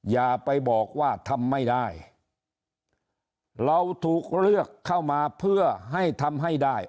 อย่าไปบอกว่าทำไม่ได้เราถูกเลือกเข้ามาเพื่อให้ทำให้ได้